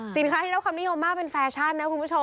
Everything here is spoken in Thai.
สินค้าที่เล่าคำนิยมมากเป็นแฟชั่นนะคุณผู้ชม